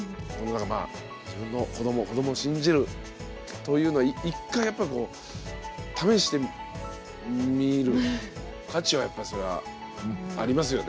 まあ自分の子ども子どもを信じるというのは一回やっぱりこう試してみる価値はやっぱりそりゃあありますよね。